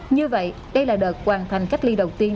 như vậy đây là đợt hoàn thành cách ly đầu tiên